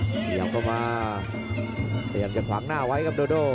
เหยียบเข้ามาพยันกันขวางหน้าไว้ครับโดโด